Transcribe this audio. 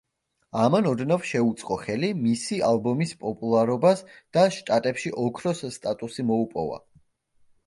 ამან ოდნავ შეუწყო ხელი მისი ალბომის პოპულარობას და შტატებში ოქროს სტატუსი მოუპოვა.